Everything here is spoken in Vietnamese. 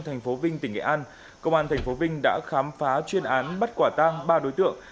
thành phố vinh tỉnh nghệ an công an tp vinh đã khám phá chuyên án bắt quả tang ba đối tượng